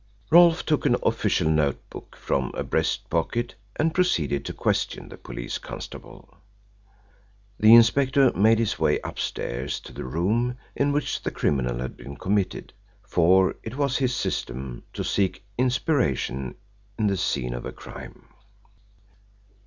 Rolfe took an official notebook from a breast pocket and proceeded to question the police constable. The inspector made his way upstairs to the room in which the crime had been committed, for it was his system to seek inspiration in the scene of a crime.